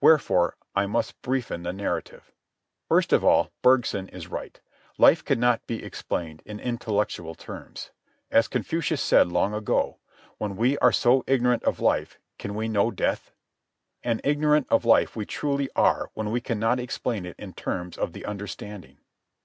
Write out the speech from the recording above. Wherefore I must briefen the narrative. First of all, Bergson is right. Life cannot be explained in intellectual terms. As Confucius said long ago: "When we are so ignorant of life, can we know death?" And ignorant of life we truly are when we cannot explain it in terms of the understanding.